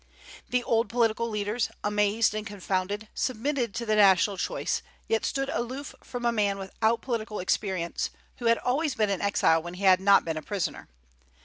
The old political leaders, amazed and confounded, submitted to the national choice, yet stood aloof from a man without political experience, who had always been an exile when he had not been a prisoner.